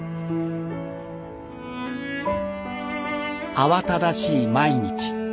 慌ただしい毎日。